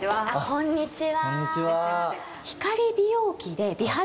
こんにちは。